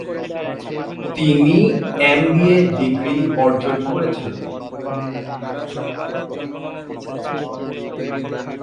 তিনি MBA degree অর্জন করেছেন।